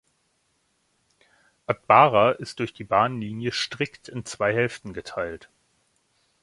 Atbara ist durch die Bahnlinie strikt in zwei Hälften geteilt.